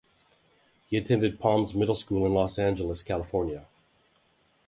He attended Palms Middle School in Los Angeles, California.